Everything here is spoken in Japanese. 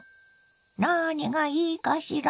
何がいいかしら。